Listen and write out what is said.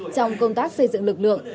trong công tác xây dựng lực lượng